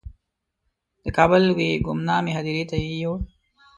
د کابل یوې ګمنامې هدیرې ته یې یووړ.